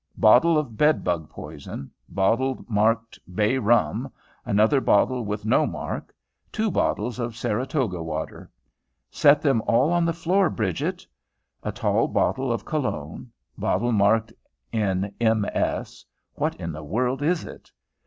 Bottle of bedbug poison; bottle marked "bay rum"; another bottle with no mark; two bottles of Saratoga water. "Set them all on the floor, Bridget." A tall bottle of Cologne. Bottle marked in MS. What in the world is it?